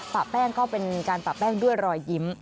แป้งก็เป็นการปะแป้งด้วยรอยยิ้ม